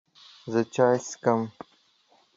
زه چای څښم